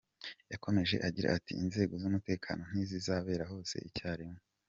Yakomeje agira ati :"Inzego z’umutekano ntizabera hose icya rimwe.